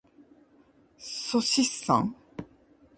っそしっさん。